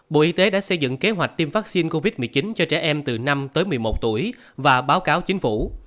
bộ y tế đã xây dựng kế hoạch tiêm vaccine covid một mươi chín cho trẻ em từ năm tới một mươi một tuổi và báo cáo chính phủ